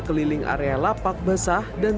keliling area lapak basah dan